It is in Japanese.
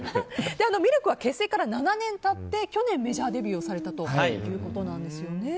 ＬＫは結成から７年経って去年メジャーデビューされたということですね。